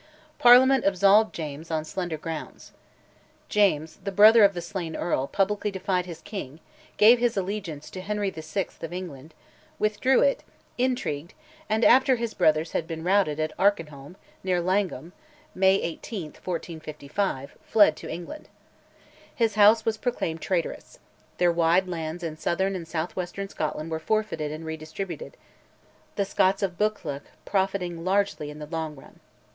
Parliament absolved James on slender grounds. James, the brother of the slain earl, publicly defied his king, gave his allegiance to Henry VI. of England, withdrew it, intrigued, and, after his brothers had been routed at Arkinholm, near Langholm (May 18, 1455), fled to England. His House was proclaimed traitorous; their wide lands in southern and south western Scotland were forfeited and redistributed, the Scotts of Buccleuch profiting largely in the long run.